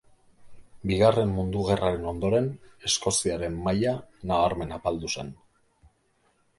Bigarren Mundu gerraren ondoren Eskoziaren maila nabarmen apaldu zen.